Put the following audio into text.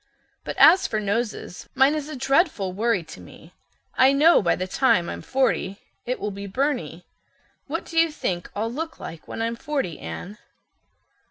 But as for noses, mine is a dreadful worry to me. I know by the time I'm forty it will be Byrney. What do you think I'll look like when I'm forty, Anne?"